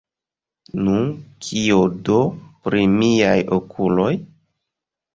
Nu, kio do, pri miaj okuloj?